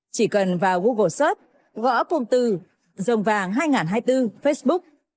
chỉ cần vào google search gõ phùng từ rồng vàng hai nghìn hai mươi bốn facebook